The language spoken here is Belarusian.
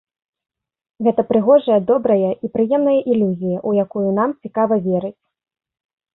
Гэта прыгожая, добрая і прыемная ілюзія, у якую нам цікава верыць.